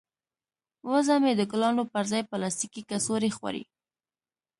وزه مې د ګلانو پر ځای پلاستیکي کڅوړې خوري.